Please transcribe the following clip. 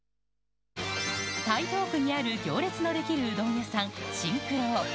台東区にある行列のできるうどん屋さん、真九郎。